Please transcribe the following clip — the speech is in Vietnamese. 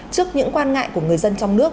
trước những quan ngại của người dân trong nước